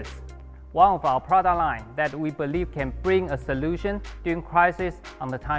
salah satu dari produk kami yang kami percaya dapat membawa solusi dalam krisis di masa yang berlalu